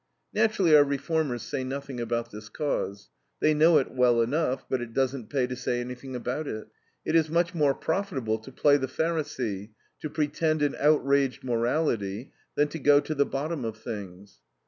Naturally our reformers say nothing about this cause. They know it well enough, but it doesn't pay to say anything about it. It is much more profitable to play the Pharisee, to pretend an outraged morality, than to go to the bottom of things.